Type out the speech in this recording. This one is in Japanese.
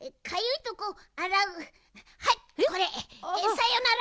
さよなら！